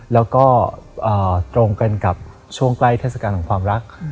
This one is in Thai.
แล้วก็ตรงกันกับช่วงใกล้เทศกาลของความรัก